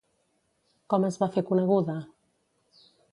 Com es va fer coneguda?